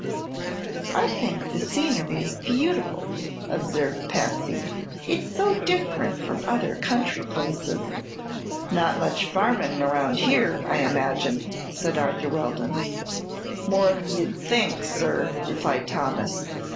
"I think the scenery is beautiful," observed Patsy. "It's so different from other country places." "Not much farming around here, I imagine," said Arthur Weldon. "More than you'd think, sir," replied Thomas.